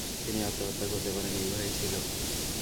তিনি আত্মহত্যা করতে পারেন এই ভয়ে ছিল।